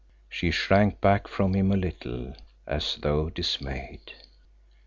She shrank back from him a little, as though dismayed.